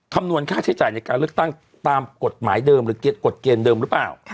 คำนวณค่าใช้จ่ายในการเลือกตั้งตามกฎหมายเดิมหรือกฎเกณฑ์เดิมหรือเปล่า